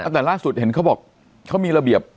แต่ล่าสุดเห็นเขาบอกเขามีระเบียบ